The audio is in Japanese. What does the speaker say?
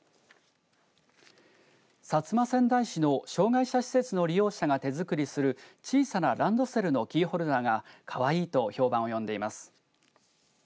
薩摩川内市の障害者施設の利用者が手作りする小さなランドセルのキーホルダーがかわいいと評判を呼んでいます。